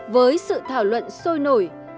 với sự thảo luận sôi nổi